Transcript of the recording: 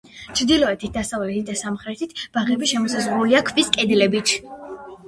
ჩრდილოეთით, დასავლეთით და სამხრეთით ბაღები შემოსაზღვრულია ქვის კედლებით.